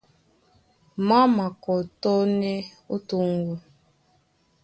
Má makɔtɔ́nɛ́ ó toŋgo.